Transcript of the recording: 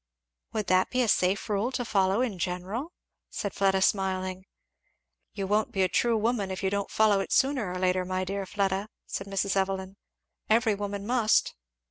"Would that be a safe rule to follow in general?" said Fleda smiling. "You won't be a true woman if you don't follow it, sooner or later, my dear Fleda," said Mrs. Evelyn. "Every woman must."